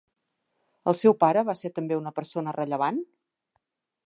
El seu pare va ser també una persona rellevant?